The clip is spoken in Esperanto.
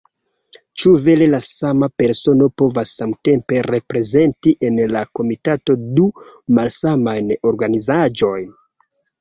Ĉu vere la sama persono povas samtempe reprezenti en la komitato du malsamajn organizaĵojn?